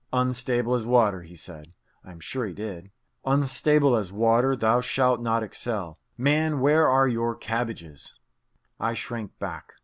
"Unstable as water," he said (I am sure he did) "unstable as water, thou shalt not excel. Man, where are your cabbages?" I shrank back.